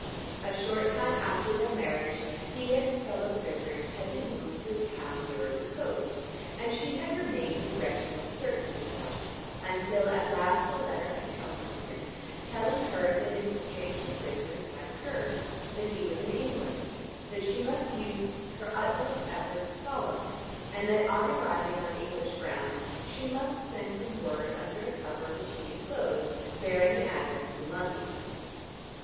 A short time after their marriage he and his fellow prisoners had been moved to a town nearer the coast, and she had remained in wretched uncertainty about him, until at last a letter had come from him telling her that an exchange of prisoners had occurred, that he was in England, that she must use her utmost effort to follow him, and that on arriving on English ground she must send him word under a cover which he enclosed, bearing an address in London.